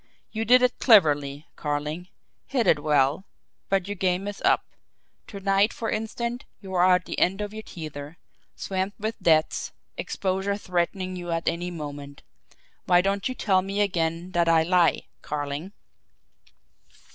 You did it cleverly, Carling; hid it well but your game is up. To night, for instance, you are at the end of your tether, swamped with debts, exposure threatening you at any moment. Why don't you tell me again that I lie Carling?"